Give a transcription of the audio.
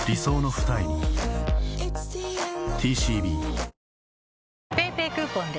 おおーーッＰａｙＰａｙクーポンで！